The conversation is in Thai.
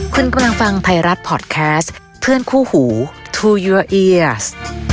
คุณกำลังฟังไทยรัฐพอร์ตแคสต์เพื่อนคู่หูทูเยัวเอียส